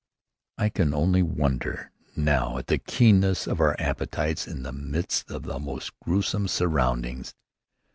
I can only wonder now at the keenness of our appetites in the midst of the most gruesome surroundings.